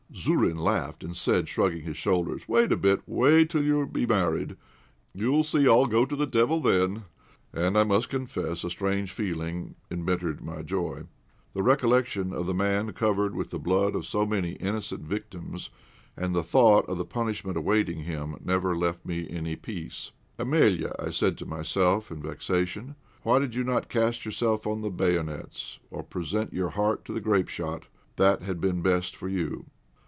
Zourine laughed, and said, shrugging his shoulders "Wait a bit, wait till you be married; you'll see all go to the devil then." And I must confess a strange feeling embittered my joy. The recollection of the man covered with the blood of so many innocent victims, and the thought of the punishment awaiting him, never left me any peace. "Eméla," I said to myself, in vexation, "why did you not cast yourself on the bayonets, or present your heart to the grapeshot. That had been best for you."